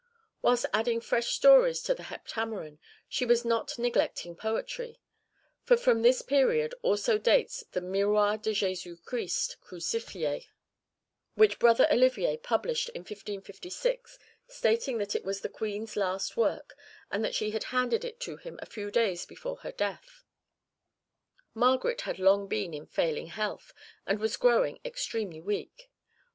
Whilst adding fresh stories to the Heptameron, she was not neglecting poetry, for from this period also dates the Miroir de Jésus Christ crucifié, which Brother Olivier published in 1556, stating that it was the Queen's last work, and that she had handed it to him a few days before her death. Margaret had long been in failing health and was growing extremely weak.